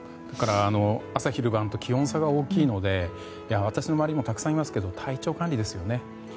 朝昼晩と気温差が大きいので私の周りにもたくさんいますけれども体調管理ですよね。